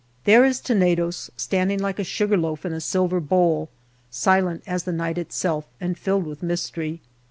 There is Tenedos, standing like a sugarloaf in a silver bowl, silent as the night itself, and filled with mystery.